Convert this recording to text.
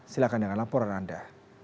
silahkan dengan laporan anda